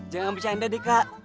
jangan bercanda deh kak